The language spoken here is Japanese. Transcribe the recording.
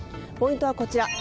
ポイントはこちら。